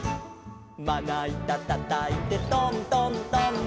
「まないたたたいてトントントン」